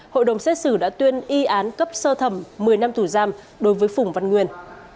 hội đồng xét xử đã tuyên y án cấp sơ thẩm một mươi năm tù giam đối với phùng văn nguyên